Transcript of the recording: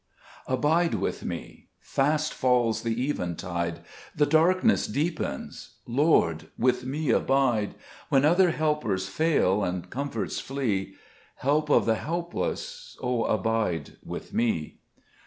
ABIDE with me : fast falls the even tide ; The darkness deepens ; Lord, with me abide : When other helpers fail, and comforts flee, Help of the helpless, O abide with me.